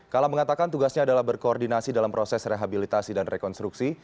kala mengatakan tugasnya adalah berkoordinasi dalam proses rehabilitasi dan rekonstruksi